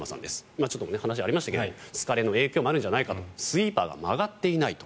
今、お話がありましたけど疲れの影響もあるんじゃないかとスイーパーが曲がっていないと。